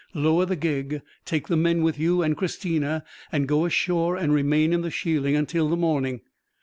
Lower the gig; take the men with you, and Christina, and go ashore and remain in the sheiling till the morning."